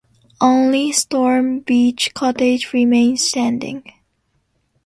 Only Storm Beach Cottage remains standing.